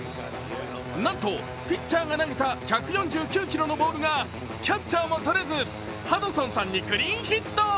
なんとピッチャーが投げた１４９キロのボールがキャッチャーも取れずハドソンさんにクリーンヒット。